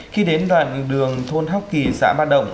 khi đến đoạn đường thôn hóc kỳ xã ba động